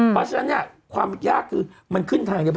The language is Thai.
เพราะฉะนั้นเนี่ยความยากคือมันขึ้นทางเดียว